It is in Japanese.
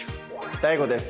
ＤＡＩＧＯです。